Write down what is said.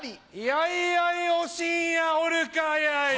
やいやいおしんやおるかやい。